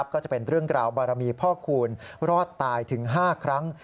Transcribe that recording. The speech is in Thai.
ก็จะเป็นเรื่องราวบารมีพ่อคูณรอดตายถึง๕ครั้ง